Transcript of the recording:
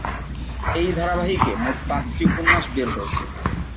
এই ধারাবাহিকে মোট পাঁচটি উপন্যাস বের হয়েছে।